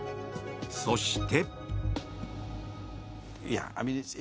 そして。